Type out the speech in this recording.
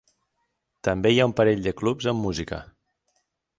També hi ha un parell de clubs amb música.